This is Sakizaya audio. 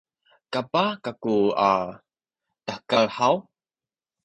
kapah kaku a tahekal haw?